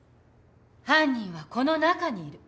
犯人はこの中にいる。